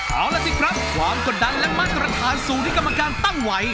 เอาล่ะสิครับความกดดันและมาตรฐานสู่ที่กรรมการตั้งไว้